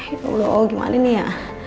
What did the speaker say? ya allah gimana ini ya